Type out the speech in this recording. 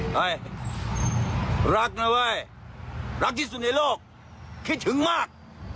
เฮ้ยรักนะเว้ยรักที่สุดในโลกคิดถึงมาก